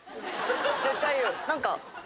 絶対言う？